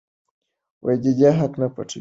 دی حقایق نه پټوي.